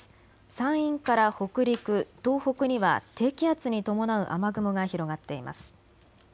山陰から北陸、東北には低気圧に伴う雨雲が広がっています。